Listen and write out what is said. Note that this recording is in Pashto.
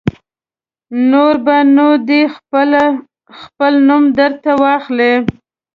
نور به نو دی خپله خپل نوم در ته واخلي.